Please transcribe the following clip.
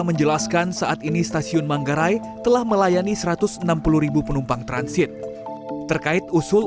menjelaskan saat ini stasiun manggarai telah melayani satu ratus enam puluh penumpang transit terkait usul